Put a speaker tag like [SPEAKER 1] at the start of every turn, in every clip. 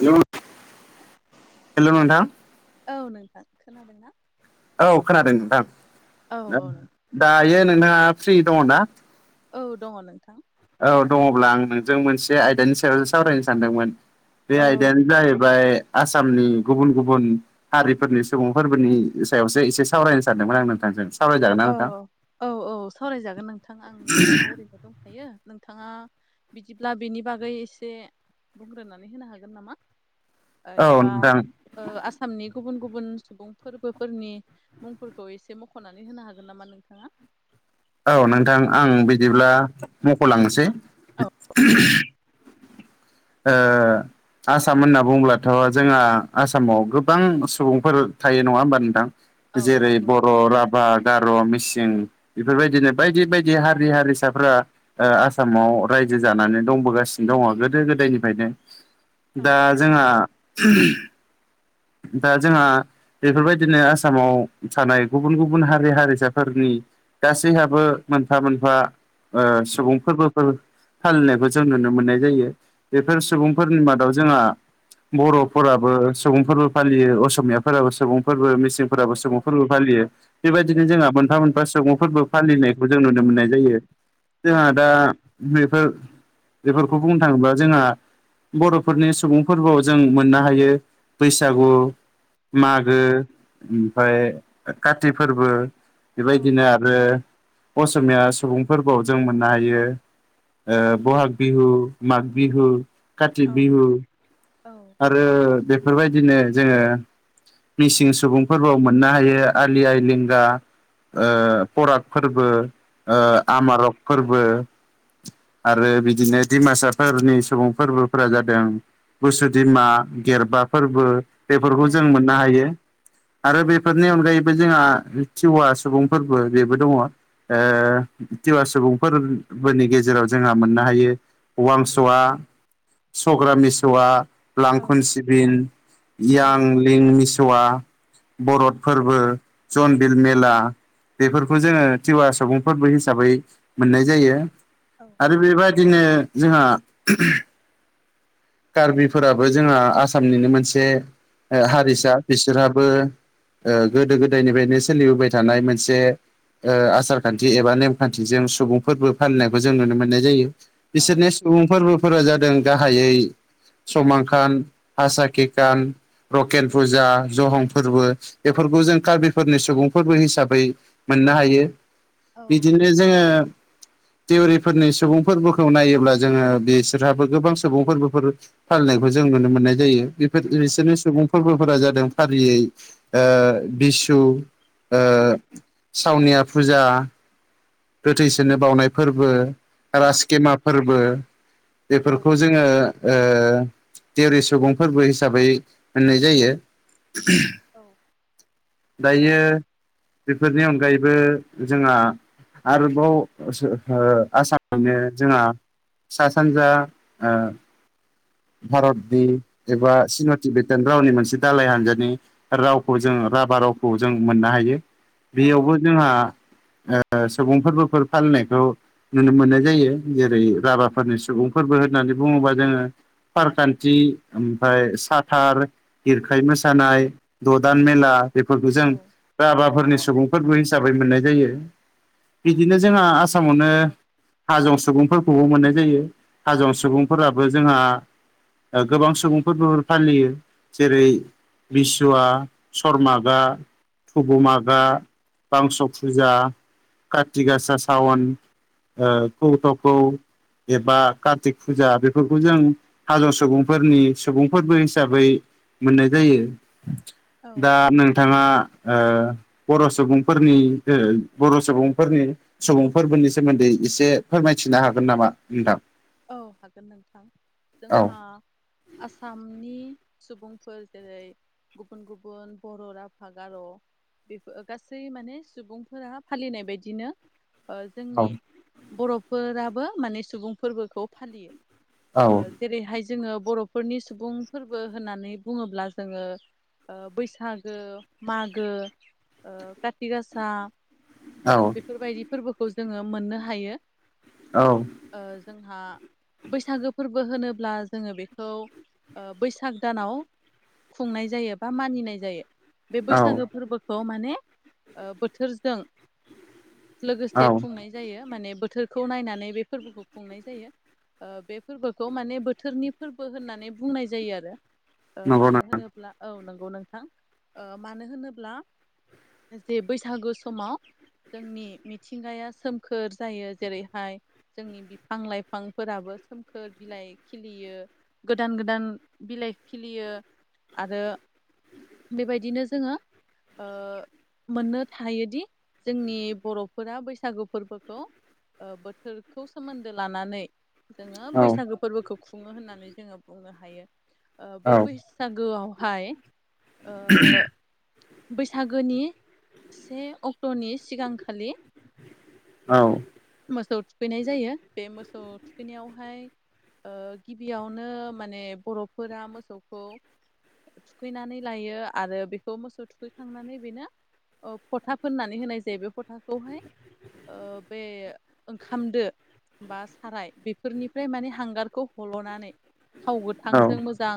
[SPEAKER 1] Hello नों
[SPEAKER 2] [inaudible] औ नोंथां खोनादों ना
[SPEAKER 1] औ खोनादों नोंथां
[SPEAKER 2] औ नों
[SPEAKER 1] दायो नोंथाङा फ्रि दङ ना
[SPEAKER 2] औ दङ नोंथां
[SPEAKER 1] औ दङब्ला आं नोंजों मोनसे आयदानि सायाव सावरायनो सानदोंमोन बे
[SPEAKER 2] औ
[SPEAKER 1] आयदायानो जाहैबाय आसामनि गुबुन गुबुन हारिफोरनि सुबुंफोरबोनि सायावसो एसे सावरायनो सानदोंमोन आं नोंथांजों सावरायजागोन ना नोंथां
[SPEAKER 2] औ-औ-औ सावरायजागोन नोंथां आं दायो ओरैनो दंखायो नोंथाङा बिदिब्ला बेनि बागै एसे बुंग्रोनानै होनो हागोन नामा
[SPEAKER 1] औ
[SPEAKER 2] एबा
[SPEAKER 1] नोंथां
[SPEAKER 2] आसामनि गुबुन गुबुन सुबुं फोरबोफोरनि मुंफोरखौ एसे मख'नानै होनो हागोन नामा नोंथाङा
[SPEAKER 1] औ नोंथां आं बिदिब्ला मख'लांनोसै
[SPEAKER 2] औ
[SPEAKER 1] ओ आसाम होनना बुङोब्लाथ' जोंहा आसामाव गोबां सुबुंफोर थायो नङा होमबा नोंथां जेरै
[SPEAKER 2] नंगौ
[SPEAKER 1] बर' राभा गार' मि [unintelligible] बेफोरबायदिनो बायदि बायदि हारि हारिसाफोरा आसामाव रायजो जानानै दंबोगासिनो दङ गोदो गोदायनिफ्रायनो
[SPEAKER 2] औ
[SPEAKER 1] दा जोंहा दा जोंहा बेफोरबायदिनो आसामाव थानाय गुबुन गुबुन हारि हारिसाफोरनि गासैहाबो मोनफा मोनफा सुबुंफोरबोफोर फालिनायखौ जों नुनो मोननाय जायो बेफोर सुबुंफोरनि मादाव जोंहा
[SPEAKER 2] औ
[SPEAKER 1] बर'फोराबो सुबुंफोरबो फालियो असमियाफोराबो सुबुं फोरबो
[SPEAKER 2] औ
[SPEAKER 1] मिसिंफोराबो सुबुं फोरबो फालियो बेबायदिनो जोंहा मोनफा मोनफा सुबुं फोरबो फालिनायखौ जों नुनो मोननाय जायो
[SPEAKER 2] औ
[SPEAKER 1] जोंहा दा बेफो बेफोरखौ बुंनो थाङोबा जोंहा बर'फोरनि सुबुंफोरबोआव जों मोननो हायो बैसा बैसागु मागो ओमफाय काति फोरबो
[SPEAKER 2] औ
[SPEAKER 1] बेबायदिनो आरो असमिया सुबुंफोरबोआव जों मोननो हायो ओ बहाग बिहु माग बिहु काति
[SPEAKER 2] औ
[SPEAKER 1] बिहु
[SPEAKER 2] औ
[SPEAKER 1] आरो बेफोरबायदिनो जोङो मिसिं सुबुंफोरबो मोननो हायो आलि आइ लिंगा ओ फराग फोरबो ओ आमारक फोरबो आरो बिदिनो दिमासाफोरनि सुबुं फोरबोफोरा जादों बुसुदिमा गेरबा फोरबो बेफोरखौ जों मोननो हायो आरो बेफोरनि अनगायैबो जोंहा टिवा सुबुं फोरबो बेबो दङ ओ टिवा सुबुं फोरबोनि गेजेराव जोंहा मोननो हायो ववांस'आ सग्राम मिस'आ
[SPEAKER 2] औ
[SPEAKER 1] लांखन सिबिन यां लिं मिस'वा बरत फोरबो जनबिल मेला बेफोरखौ जोङो टिवा सुबुं फोरबो हिसाबै मोननाय जायो आरो बेबादिनो जोंहा कार्बिफोराबो जोंहा आसामनिनो मोनसे ओ हारिसा बिसोरहाबो ओ गोदो गोदायनिफ्रायनो सोलिबोबाय थानाय मोनसे ओ आसारखान्थि एबा नेमखान्थिजों सुबुं फोरबो फालिनायखौ जों नुनो मोननाय जायो बिसोरनि सुबुं फोरबोफोरा जादों गाहायै समांखान हासाखिखान रकेन फुजा जहं फोरबो बेफोरखौ जों कार्बिफोरनि सुबुं फोरबो हिसाबै मोननो हायो
[SPEAKER 2] औ
[SPEAKER 1] बिदिनो जोङो दिउरिफोरनि सुबुं फोरबोखौ नायोब्ला जोङो बिसोरहाबो गोबां सुबुं फोरबोफोर फालिनायखौ जों नुनो मोननाय जायो बेफोर बिसोरनि सुबुं फोरबोफोरा जादों फारियै ओ बिसु ओ सावनिया फुजा गोथैसोनो बाउनाय फोरबो
[SPEAKER 2] औ
[SPEAKER 1] राजकेमा फोरबो
[SPEAKER 2] औ
[SPEAKER 1] बेफोरखौ जोङो ओ देवरि सुबुं फोरबो हिसाबै होननाय जायो [unintelligible]
[SPEAKER 2] औ
[SPEAKER 1] दायो बेफोरनि अनगायैबो जोङा आरोबाव ओ आसामावनो जोङा सा सानजा ओ भारतनि एबा चिन' टिबेटान रावनि मोनसे दालाय हानजानि रावखौ जोङो राभा रावखौ जों मोननो हायो
[SPEAKER 2] औ
[SPEAKER 1] बेयावबो जोंहा ओ सुबुं फोरबोफोर फालिनायखौ नुनो मोननाय जायो जेरै राभाफोरनि सुबुं फोरबो होननानै बुङोबा जोङो फारखान्थि ओमफेय साथार गिरखाय मोसानाय ददान मेला बेफोरखौ जों
[SPEAKER 2] औ
[SPEAKER 1] राबाफोरनि सुबुंफोरखौ हिसाबै मोननाय जायो बिदिनो जों जोंहा आसामावनो
[SPEAKER 2] औ
[SPEAKER 1] हाजं सुबुंफोर खौबो मोननाय जायो हाजं सुबुंफोराबो जोंहा गोबां सुबुंफोरबो फालियो जेरै बिसुवा सरर्मागा थुबु मागा बांस' फुजा काति गासा सावन ओ कौथ'खौ एबा कारतिक फुजा बेफोरखौ जों हाजं सुबुंफोरनि सुबुं फोरबो हिसाबै मोननाय जायो
[SPEAKER 2] औ
[SPEAKER 1] दा नोंथाङा ओ बर' सुबुंफोरनि बर' सुबुंफोरनि सुबुं फोरबोनि सोमोन्दै एसे फोरमायथिनो हागोन नामा नोंथां
[SPEAKER 2] औ हागोन नोंथां
[SPEAKER 1] औ
[SPEAKER 2] जोंहा आसामनि सुबुंफोर जेरै गुबुन गुबुन बर' राभा गार' बेफोर गासै माने सुबुंफोरा फालिनाय बायदिनो
[SPEAKER 1] औ
[SPEAKER 2] जोंनि बर'फोराबो माने सुबुं फोरबोखौ
[SPEAKER 1] औ
[SPEAKER 2] फालियो जेरैहाय जोङो बर'फोरनि सुबुं फोरबो होननानै बुङोब्ला जोङो बैसागो मागो काति गासा
[SPEAKER 1] औ
[SPEAKER 2] बेफोरबायदि फोरबोखौ जोङो मोननो हायो
[SPEAKER 1] औ
[SPEAKER 2] ओ जोंहा बैसागो फोरबो होनोब्ला जोङो बेखौ बैसाग दानाव खुंनाय जायो बा मानिनाय जायो बे बैसागो फोरबोखौ माने बोथोरजों
[SPEAKER 1] औ
[SPEAKER 2] लोगोसे खुंनाय जायो माने बोथोरखौ नायनानै बे फोरबोखौ खुंनाय जायो बे फोरबोखौ माने बोथोरनि फोरबो होननानै बुंनाय जायो आरो
[SPEAKER 1] नंगौ नों
[SPEAKER 2] मानो होनोब्ला औ नंगौ नोंथां मानो होनोब्ला जे बैसागो समाव जोंनि मिथिंगाया सोमखोर जायो जेरैहाय जोंनि फां लाइफांफोराबो सोमखोर बिलाइ खिलियो गोदान गोदान बिलाइ खिलियो आरो बेबायदिनो जोङो मोननो थायोदि जोंनि बर'फोरा बैसागु फोरबोखौ बोथोरखौ सोमोन्दो लानानै जोङो
[SPEAKER 1] औ
[SPEAKER 2] बैसागो फोरबोखौ खुङो होननानै जोङो बुंनो हायो बे
[SPEAKER 1] औ
[SPEAKER 2] बैसागोआवहाय बैसागोनि से अक्ट'नि सिगांखालि
[SPEAKER 1] औ
[SPEAKER 2] मोसौ थुखैनाय जायो बे मोसौ थुखैनायावहाय गिबियावनो माने बर'फोरा मोसौखौ थुखैनानै लायो आरो बेखौ मोसौ थुखैखांनानै बेनो फथा फोननानै होनाय जायो बे फथाखौहाय ओ बे ओंखामदो बा साराय बेफोरनिफ्राय माने हांगारखौ हल'नानै थाव गोथांजों मोजां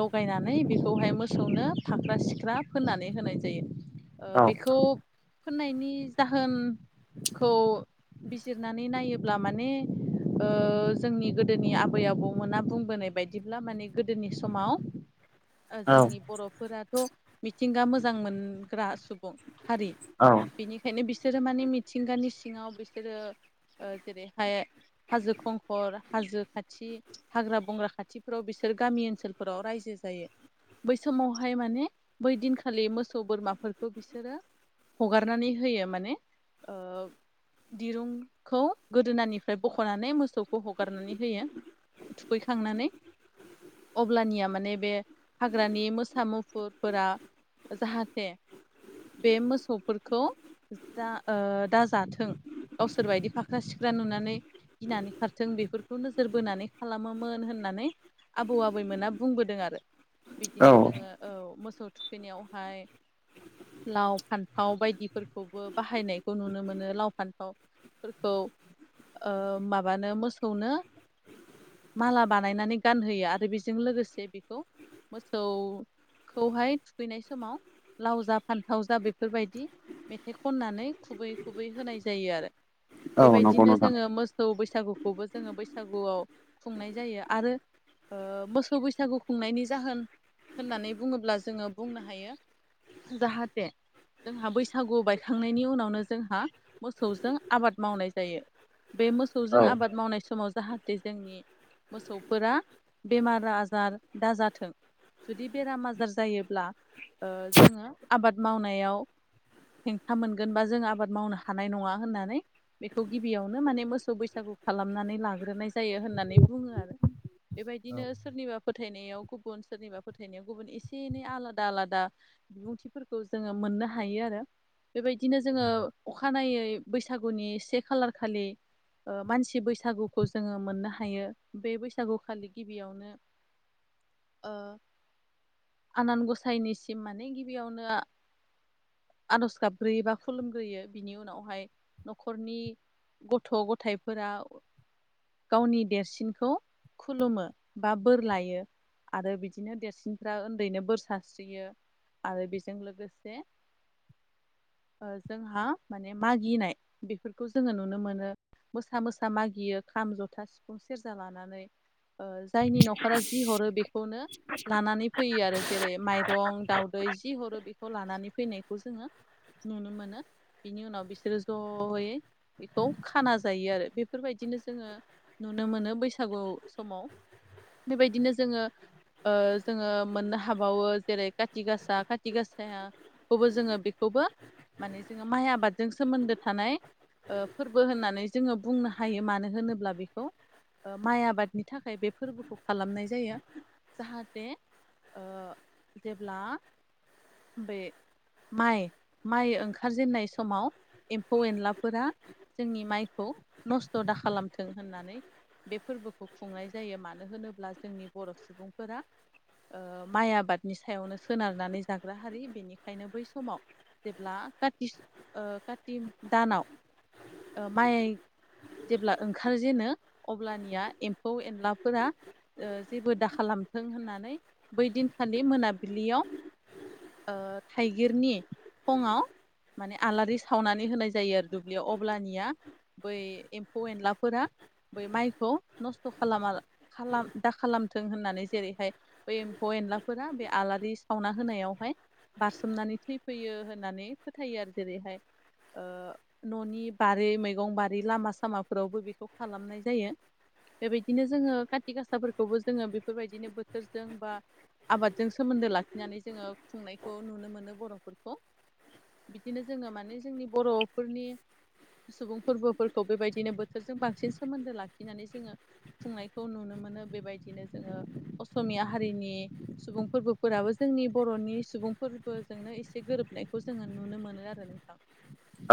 [SPEAKER 2] लगायनानै बेखौहाय मोसौनो फाख्रा सिख्रा फोननानै होनाय जायो ओ
[SPEAKER 1] औ
[SPEAKER 2] बेखौ फोननायनि जाहोनखौ बिजिरनानै नायोब्ला माने ओ जोंनि गोदोनि आबै आबौमोना बुंबोनाय बायदिब्ला माने गोदोनि समाव
[SPEAKER 1] [inaudible]
[SPEAKER 2] जोंनि बर'फोराथ' मिथिंगा मोजां मोनग्रा सुबुं हारि
[SPEAKER 1] औ
[SPEAKER 2] बिनिखायनो बिसोरो माने मिथिंगानि सिङाव बिसोरो ओ जेरैहाय हाजो खंखर हाजो खाथि हाग्रा बंग्रा खाथिफोराव बिसोर गामि ओनसोलफोराव रायजो जायो बै समावहाय माने बै दिनखालि मोसौ बोरमाफोरखौ बिसोरो हगारनानै होयो माने ओ दिरुंखौ गोदोनानिफ्राय बख'नानै मोसौखौ हगारनानै होयो थुखैखांनानै अब्लानिया माने बे हाग्रानि मोसा मुफुरफोरा जाहाथे बे मोसौफोरखौ दा दाजाथों गावसोरबायदि फा [unintelligible] नोजोर बोनानै खालामोमोन होननानै आबौ आबैमोना बुंबोदों आरो बिदिनो जोङो औ मोसौ थुखैनायावहाय लाव फान्थाव बायदिफोरखौबो बाहायनायखौ नुनो मोनो लाव फान्थाव फोरखौ माबानो मोसौनो माला बानायनानै गानहोयो आरो बेजों लोगोसे बेखौ मोसौ खौहाय थुखैनाय समाव लाव जा फानथाव जा बेफोरबायदि मेथाइ खननानै खुबै खुबै होनाय जायो आरो
[SPEAKER 1] नंगौ
[SPEAKER 2] बेबायदिनो
[SPEAKER 1] नोंथां
[SPEAKER 2] जोङो मोसौ बैसागुखौबो जोङो बैसागुआव खुंनाय जायो आरो ओ मोसौ बैसागु खुंनायनि जाहोन होननानै बुङोब्ला जोङो बुंनो हायो जाहाथे जोंहा बैसागु बायखांनायनि उनावनो जोंहा मोसौजों आबाद मावनाय जायो बे मोसौजों
[SPEAKER 1] औ
[SPEAKER 2] आबाद मावनाय समाव जाहाथे जोंनि मोसौफोरा बेमार आजार दाजाथों जुदि बेराम आजार जायोब्ला ओ जोङो आबाद मावनायाव हेंथा मोनगोन बा जों आबाद मावनो हानाय नङा होननानै बेखौ गिबियावनो माने मोसौ बैसागु खालामनानै लाग्रोनाय जायो होननानै बुङो आरो बेबायदिनो सोरनिबा फोथायनायाव गुबुन सोरनिबा फोथायनायाव गुबुन एसे एनै आलादा आलादा बिबुंथिफोरखौ जोङो मोननो हायो आरो बेबायदिनो जोङो अखानायै बै सागुनि से खालार खालि मानसि बैसागुखौ जोङो मोननो हायो बे बैसागुखालि गिबियावनो ओ आनान गसाइनिसिम माने गिबियावनो आर'ज गाबग्रोयो बा खुलुमग्रोयो बिनि उनावहाय न'खरनि गथ' गथाइफोरा गावनि देरसिनखौ खुलुमो बा बोर लायो आरो बिदिनो देरसिनफ्रा उन्दैनो बोर सारस्रियो आरो बेजों लोगोसे ओ जोंहा माने मागिनाय बेफोरखौ जोङो नुनो मोनो मोसा मोसा मागियो खाम जथा सिफुं सेरजा लानानै जायनि न'खरा जि हरो बेखौनो लानानै फैयो आरो जेरै माइरं दावदै जि हरो बेखौ लानानै फैनायखौ जोङो नुनो मोनो बिनि उनाव बिसोरो ज' जयै बेखौ खाना जायो आरो बेफोरबायदिनो जोङो नुनो मोनो बैसागु समाव बेबायदिनो जोङो ओ जोङो मोननो हाबावो जेरै काथि गासा काथि गाासाया खौबो जोङो बेखौबो माने जोङो माइ आबादजों सोमोनदो थानाय ओ फोरबो होननानै जोङो बुंनो हायो मानो होनोब्ला बेखौ माइ आबादनि थाखाय बे फोरबोखौ खालामनाय जायो जाहाथे ओ जेब्ला बे माइ माइ ओंखारजेनाय समाव एमफौ एनलाफोरा जोंनि माइखौ नसथ' दा खालामथों होननानै बे फोरबोखौ खुंनाय जायो मानो होनोब्ला जोंनि बर' सुबुंफोरा माइ आबादनि सायावनो सोनारनानै जाग्रा हारि बेनिखायनो बै समाव जेब्ला काति ओ काति दानाव ओ माइ जेब्ला ओंखारजेनो अब्लानिया एमफौ एनलाफोरा ओ जेबो दाखा खालामथों होननानै बै दिनखालि मोनाबिलियाव ओ थाइगिरनि खङाव माने आलारि सावनानै होनाय जायो आरो दुब्लियाव अब्लानिया बै एमफौ एनलाफोरा बै माइखौ नसथ' खालामा खालाम दा खालामथों होननानै जेरैहाय बै एमफौ एनलाफोरा बे आलारि सावना होनायावहाय बारसोमनानै थैफैयो होननानै फोथायो आरो जेरैहाय न'नि बारि मैगं बारि लामा सामाफोरावबो बेखौ खालामनाय जायो बेबायदिनो जोङो खाति गासाफोरखौबो जोङो बेफोरबायदिनो बोथोरजों बा आबादजों सोमोनदो लाखिनानै जोङो खुंनायखौ नुनो मोनो बर'फोरखौ बिदिनो जोङो माने जोंनि बर'फोरनि सुबुं फोरबोफोरखौ बेबायदिनो बोथोरजों बांसिन सोमोनदो लाखिनानै जोङो खुंनायखौ नुनो मोनो मोनो बेबायदिनो जोङो असमिया हारिनि सुबुं फोरबोफोराबो जोंनि बर'नि सुबुं फोरबोजोंबो एसे गोरोबनायखौ जोङो नुनो मोनो आरो नोंथां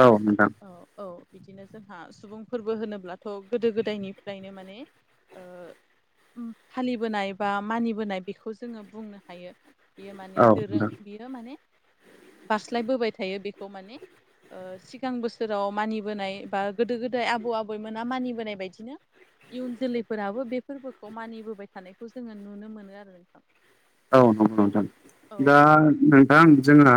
[SPEAKER 1] औ नोंथां
[SPEAKER 2] औ औ बिदिनो जोंहा सुबुंफोरबो होनोब्लाथ' गोदो गोदायनिफ्रायनो माने ओ फालिबोनाय बा मानिबोनाय बेखौ जोङो बुंनो हायो। बियो माने दोरों
[SPEAKER 1] औ
[SPEAKER 2] बियो माने बास्लायबोबाय थायो बेखौ माने ओ सिगां बोसोराव मानिबोनाय बा गोदो गोदाय आबौ आबैमोना मानिबोनाय बायदिनो इयुन जोलैफोराबो बे फोरबोखौ मानिबोबाय थानायखौ जोङो नुनो मोनो आरो नोंथां।
[SPEAKER 1] औ नंगौ नोंथां
[SPEAKER 2] औ
[SPEAKER 1] दा
[SPEAKER 2] नोंथां
[SPEAKER 1] नोंथां जोंहा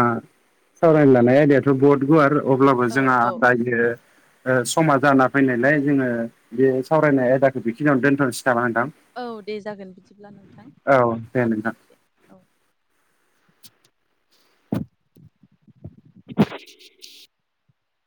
[SPEAKER 1] सावरायनो लानाय आयदायाथ' बहुद गुवार अब्लाबो
[SPEAKER 2] औ
[SPEAKER 1] जोंहा
[SPEAKER 2] औ
[SPEAKER 1] दायो ओ समा जाना फैनायलाय जोङो बे सावरायनाय आयदाखौ बेखिनियावनो दोनथ'नोसै। नामा नोंथां
[SPEAKER 2] औ दे जागोन बिदिब्ला नोंथां
[SPEAKER 1] औ नोंथां
[SPEAKER 2] दे दे औ
[SPEAKER 1] [inaudible]